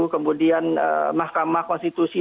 kemudian mahkamah konstitusi